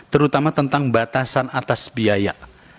terutama tentang batasan atas biaya